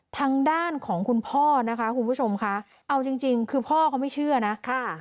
ทางด้านของคุณพ่อนะคะคุณผู้ชมค่ะเอาจริงจริงคือพ่อเขาไม่เชื่อนะค่ะ